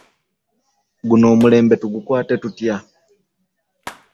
Guno omulembe tugukwate tutya?